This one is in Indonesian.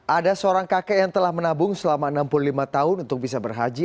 ada seorang kakek yang telah menabung selama enam puluh lima tahun untuk bisa berhaji